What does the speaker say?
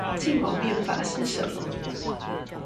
禁蒙面法是什麼？